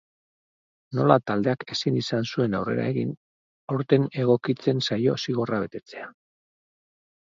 Nola taldeak ezin izan zuen aurrera egin, aurten egokitzen zaio zigorra betetzea.